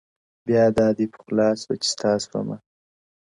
• بيا دادی پخلا سوه ؛چي ستا سومه؛